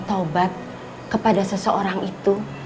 taubat kepada seseorang itu